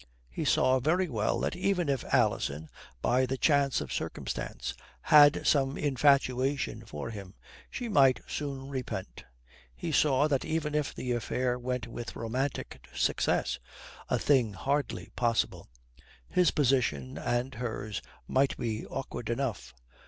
He saw very well that even if Alison, by the chance of circumstance, had some infatuation for him, she might soon repent: he saw that even if the affair went with romantic success a thing hardly possible his position and hers might be awkward enough.